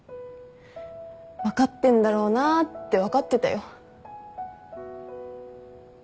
分かってんだろうなって分かってたよ。